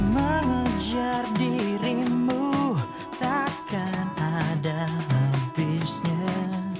mengejar dirimu takkan ada habisnya